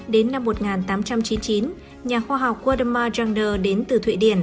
đến năm một nghìn tám trăm chín mươi chín nhà khoa học waldemar jungner đến từ thụy điển